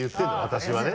私はね。